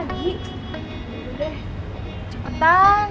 aduh deh cepetan